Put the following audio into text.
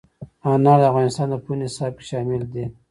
انار د افغانستان د پوهنې نصاب کې شامل دي.